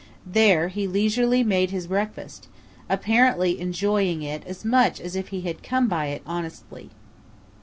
There he leisurely made his breakfast, apparently enjoying it as much as if he had come by it honestly.